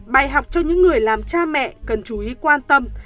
bài học cho những người làm cha mẹ cần chú ý quan tâm